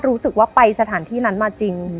รู้สึกว่าไปสถานที่นั้นมาจริง